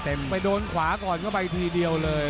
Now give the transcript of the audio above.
มาไปโดนขวาก่อนก็ไปทีเดียวเลย